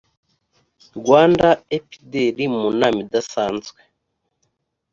rwanda epdr mu nama idasanzwe